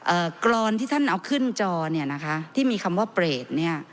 กรอนที่ท่านเอาขึ้นจอเนี่ยนะคะที่มีคำว่าเปรตเนี่ย